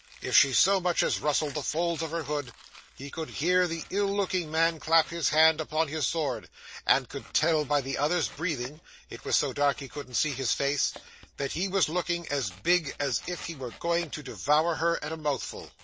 If she so much as rustled the folds of her hood, he could hear the ill looking man clap his hand upon his sword, and could tell by the other's breathing (it was so dark he couldn't see his face) that he was looking as big as if he were going to devour her at a mouthful.